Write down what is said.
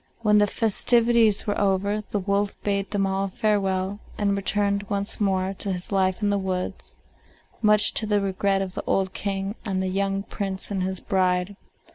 When the festivities were over, the wolf bade them all farewell, and returned once more to his life in the woods, much to the regret of the old King and the young Prince and his bride.